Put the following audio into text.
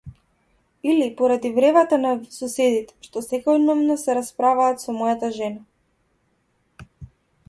Или поради вревата на соседите што секојдневно се расправаат со мојата жена?